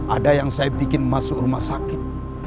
ada yang saya bikin masuk rumah sakit